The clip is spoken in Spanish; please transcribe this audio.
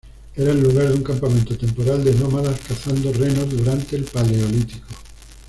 Era el lugar de un campamento temporal de nómadas cazando renos durante el Paleolítico.